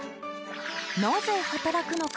なぜ働くのか？